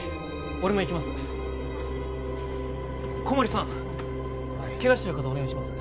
俺も行きますあっ小森さんはいケガしてる方お願いします